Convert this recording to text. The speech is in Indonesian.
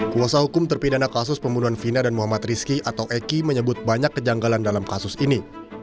kuasa hukum terpidana kasus pembunuhan vina dan muhammad rizki atau eki menyebut banyak kejanggalan dalam kasus ini